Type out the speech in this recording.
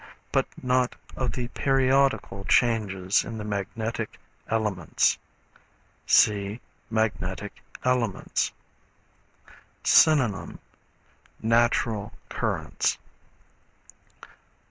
but not of the periodical changes in the magnetic elements. (See Magnetic Elements.) Synonym Natural Currents.